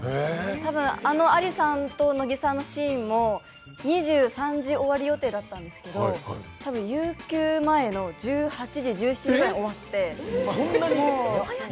多分あのアリさんと乃木さんのシーンも２３時終わり予定だったんですけど多分、悠久前の１７時前、１８時ぐらいだったかと。